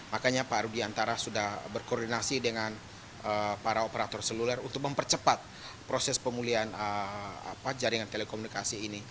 makanya pak rudiantara sudah berkoordinasi dengan para operator seluler untuk mempercepat proses pemulihan jaringan telekomunikasi ini